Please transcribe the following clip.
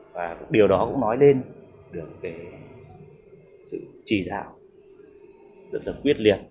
và điều đó cũng nói lên được sự trì đạo rất là quyết liệt